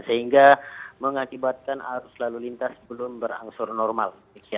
sehingga mengakibatkan arus lalu lintas belum berangsur normal